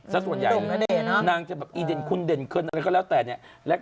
สักส่วนใหญ่เลยนะนางจะแบบอีเด่นคุณเด่นขึ้นแล้วก็แล้วแต่เนี่ย